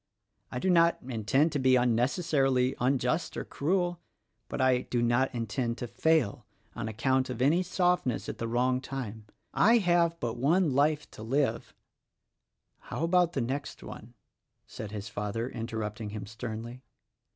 I do not intend to be unnecessarily unjust or cruel, but I do not intend to fail on account of any softness at the wrong time. I have but one life to live, —" "How about the next one?" said his father, interrupting him sternly.